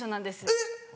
えっ！